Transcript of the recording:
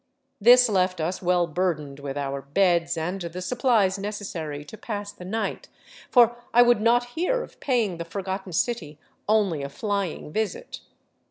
This left us well burdened with our " beds " and the supplies necessary to pass the night, for I would not hear of paying the forgotten city only a flying visit.